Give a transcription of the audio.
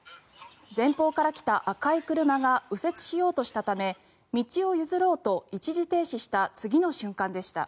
前方から来た赤い車が右折しようとしたため道を譲ろうと一時停止した次の瞬間でした。